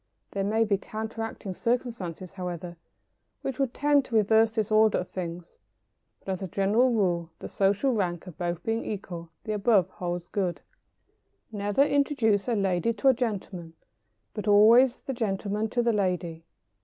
There may be counteracting circumstances, however, which would tend to reverse this order of things, but as a general rule, the social rank of both being equal, the above holds good. [Sidenote: Introducing men to ladies.] Never introduce a lady to a gentleman; but always the gentleman to the lady.